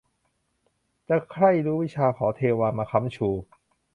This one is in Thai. จะใคร่รู้วิชา ขอเทวามาค้ำชู